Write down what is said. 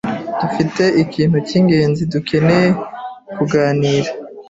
Dufite ikintu cyingenzi dukeneye kuganira.